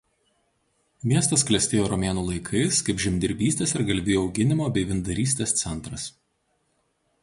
Miestas klestėjo romėnų laikais kaip žemdirbystės ir galvijų auginimo bei vyndarystės centras.